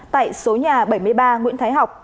tại số nhà bảy mươi ba nguyễn thái học